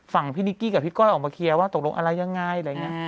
ฝั่งพี่นิกกี้กับพี่ก้อยออกมาเคลียร์ว่าตกลงอะไรยังไงอะไรอย่างนี้